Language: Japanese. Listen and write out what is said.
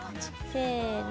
せの。